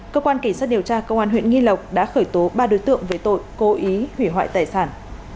cơ quan kỳ sát điều tra công an huyện nghi lộc đã khởi tố ba đối tượng về tội cố ý hủy hoại tài sản